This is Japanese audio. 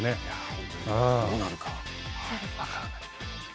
本当にどうなるか分からない。